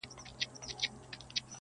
منصوري کریږه یم له داره وځم,